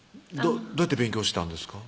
どうやって勉強したんですか？